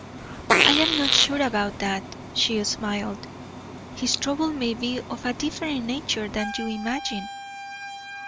"I am not sure about that," she smiled. "His trouble may be of a different nature than you imagine.